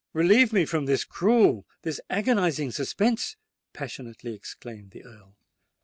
relieve me from this cruel—this agonizing suspense!" passionately exclaimed the Earl.